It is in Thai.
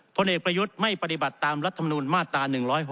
พลเอกประยุทธ์ไม่ปฏิบัติตามรัฐมนุนมาตรา๑๖๖